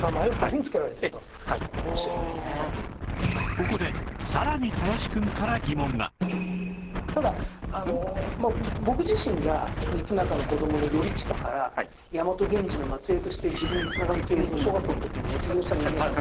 ここでただ僕自身が満仲の子どもの頼親から大和源氏の末裔として自分に繋がる系図を小学校の時に捏造した人間なんですよ。